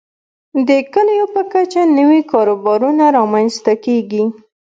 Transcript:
د کليو په کچه نوي کاروبارونه رامنځته کیږي.